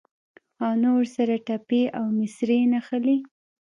او نه ورسره ټپې او مصرۍ نښلي.